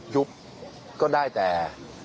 ยุบก็ได้แต่